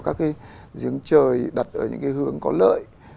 các cái giếng trời đặt ở những cái hướng có lợi